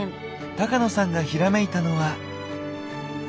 高野さんがひらめいたのは。